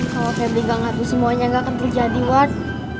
kalau febri gak ngaku semuanya gak akan terjadi edward